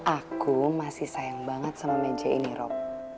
aku masih sayang banget sama meja ini rob